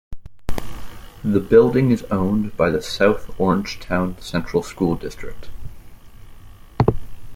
The building is owned by the South Orangetown Central School District.